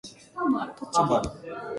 栃木